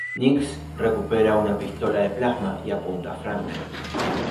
Nix recupera una pistola de plasma y apunta a Frank.